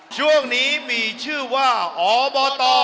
ช่วงนี้มีชื่อว่าอบต